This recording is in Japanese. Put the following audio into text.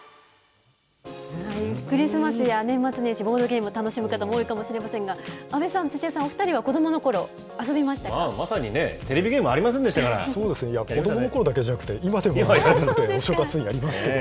クリスマスや年末年始、ボードゲーム、楽しむ方も多いと思いますが、阿部さん、土屋さん、お２人は子どまさにね、テレビゲームありそうですよね、子どものころだけじゃなくて、今でもお正月にやりますけど。